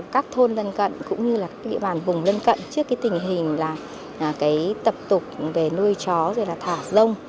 các thôn lân cận cũng như địa bàn vùng lân cận trước tình hình tập tục về nuôi chó thả rông